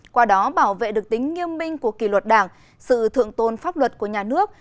qua đó bảo vệ được tính nghiêm minh của kỷ luật đảng sự thượng tôn pháp luật của nhà nước